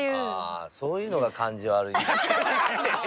あそういうのが感じ悪いんだよ。